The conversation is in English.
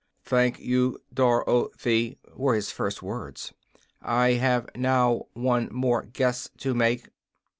"Thank you, Dor oth y," were his first words. "I have now one more guess to make."